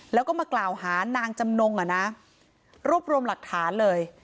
แล้วก็มากล่าวหานางจำนงอ่ะนะรวบรวมหลักฐานเลย